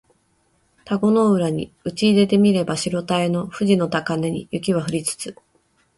田子の浦にうちいでて見れば白たへの富士の高嶺に雪は降りつつ